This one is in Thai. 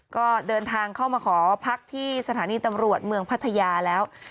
ก็เดินทางเข้ามาขอพักที่สถานีตำรวจเมืองพัทยาแล้ว